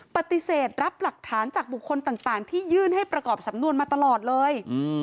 ปฏิเสธรับหลักฐานจากบุคคลต่างที่ยื่นให้ประกอบสำนวนมาตลอดเลย